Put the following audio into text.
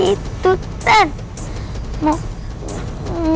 aku tidak ingin menang